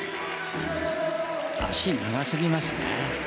足長すぎますね。